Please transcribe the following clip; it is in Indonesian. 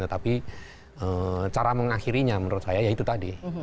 tetapi cara mengakhirinya menurut saya ya itu tadi